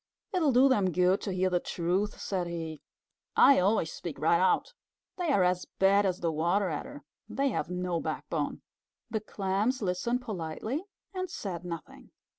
"It'll do them good to hear the truth," said he. "I always speak right out. They are as bad as the Water Adder. They have no backbone." The Clams listened politely and said nothing.